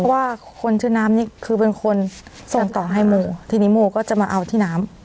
ว่าคนชื่อน้ำนี่คือเป็นคนส่งต่อให้โมทีนี้โมก็จะมาเอาที่น้ำ